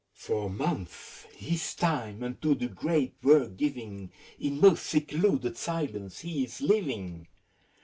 For months, his time unto the great work giving, In most secluded silence he is living.